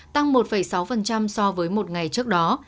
tăng một sáu so với một ngày trước đó